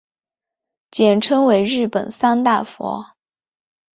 简称为日本三大佛。